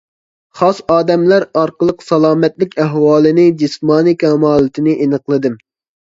خاس ئادەملەر ئارقىلىق سالامەتلىك ئەھۋالىنى، جىسمانىي كامالىتىنى ئېنىقلىدىم.